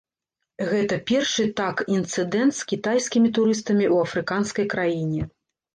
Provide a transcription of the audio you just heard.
Гэта першы так інцыдэнт з кітайскімі турыстамі ў афрыканскай краіне.